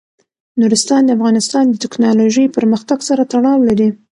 نورستان د افغانستان د تکنالوژۍ پرمختګ سره تړاو لري.